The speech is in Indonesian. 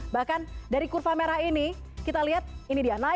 bahkan dari kurva merah ini kita lihat ini dia